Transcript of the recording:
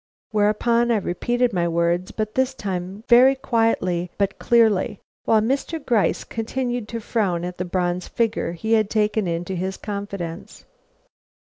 Whereupon I repeated my words, this time very quietly but clearly, while Mr. Gryce continued to frown at the bronze figure he had taken into his confidence.